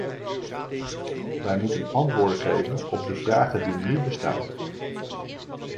Wij moeten antwoorden geven op de vragen die nu bestaan.